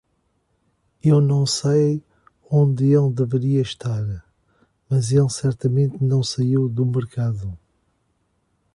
Eu não sei onde ele deveria estar, mas ele certamente não saiu do mercado.